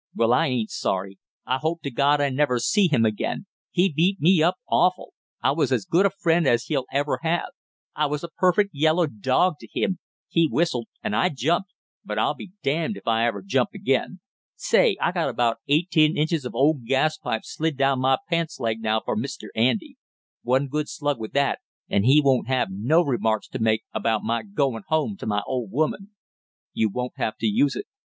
"Well, I ain't sorry. I hope to God I never see him again he beat me up awful! I was as good a friend as he'll ever have; I was a perfect yellow dog to him; he whistled and I jumped, but I'll be damned if I ever jump again! Say, I got about eighteen inches of old gas pipe slid down my pants leg now for Mr. Andy; one good slug with that, and he won't have no remarks to make about my goin' home to my old woman!" "You won't have to use it."